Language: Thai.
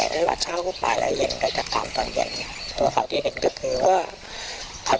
แล้วก็มาเห็นอีกทีในข่าว